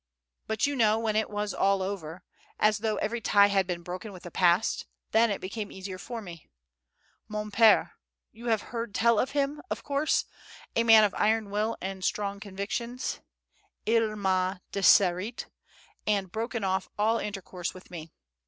But, you know, when it was all over, as though every tie had been broken with the past, then it became easier for me. Mon pere, you have heard tell of him, of course, a man of iron will and strong convictions, il m'a desherite, and broken off all intercourse with me.